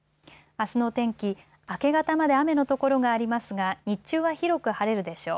あすの天気、明け方まで雨の所がありますが日中は広く晴れるでしょう。